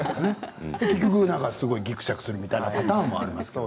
だからぎくしゃくするみたいなパターンもあります。